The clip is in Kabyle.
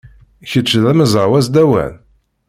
Kečč d amezraw asdawan?